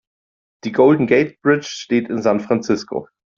Die Golden Gate Bridge steht in San Francisco.